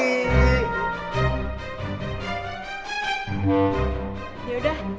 yaudah sampai ketemu ntar sore ya